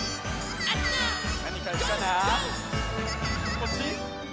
こっち？